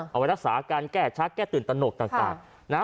เอาไว้รักษาการแก่ชักแก่ตื่นตะหนกต่าง